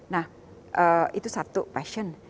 nah itu satu passion